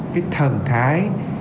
cái thần thái